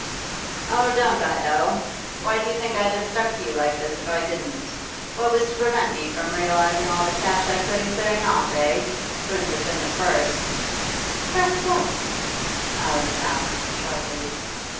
'Oh, don't I, though! Why, do you think I'd have stuck to you like this if I didn't? What was to prevent me from realising all the cash I could and clearing off, eh? 'Twouldn't have been the first ' 'The first what?' Alice asked sharply.